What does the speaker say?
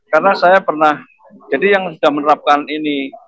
karena saya pernah jadi yang sudah menerapkan ini